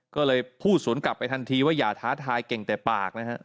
ก็เลยพูดสวนกลับไปทันทีว่าอย่าท้าทายเก่งแต่ปากนะฮะ